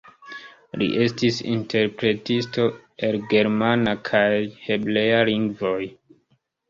Li estis interpretisto el germana kaj hebrea lingvoj.